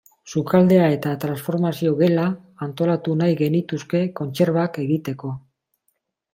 Sukaldea eta transformazio gela antolatu nahi genituzke kontserbak egiteko.